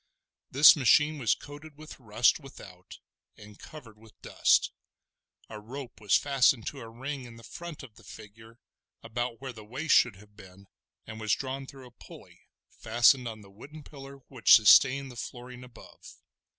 This machine was coated with rust without, and covered with dust; a rope was fastened to a ring in the front of the figure, about where the waist should have been, and was drawn through a pulley, fastened on the wooden pillar which sustained the flooring above.